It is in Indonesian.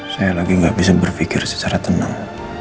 saya lagi nggak bisa berpikir secara tenang